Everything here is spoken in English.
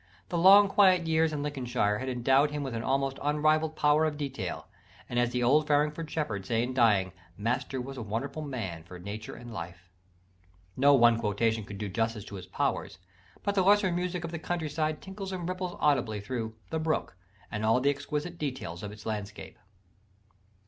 The long quiet years in Lincolnshire had endowed him with an almost unrivalled power of detail: and, as the old Farringford shepherd said in dying, "Master was a wonderful man for nature and life." No one quotation could do justice to his powers: but the lesser music of the countryside tinkles and ripples audibly through The Brook and all the exquisite details of its landscape.